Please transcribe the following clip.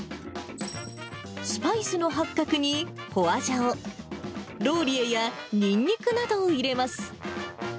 スパイスの八角にホアジャオ、ローリエやニンニクなどを入れます。